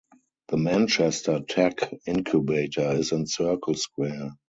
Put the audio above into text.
The Manchester Tech Incubator is in Circle Square.